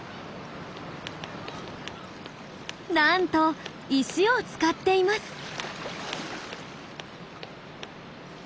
なんと石を使っています。